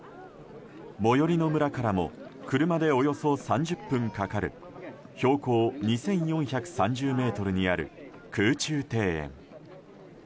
最寄りの村からも車でおよそ３０分かかる標高２４３０ｍにある空中庭園。